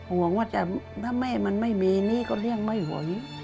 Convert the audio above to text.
ห่วงว่าถ้าแม่มันไม่มีนี่ก็เลี่ยงไม่ไหว